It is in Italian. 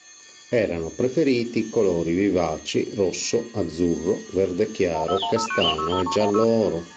Erano preferiti i colori vivaci, rosso, azzurro, verde chiaro, castano e giallo oro.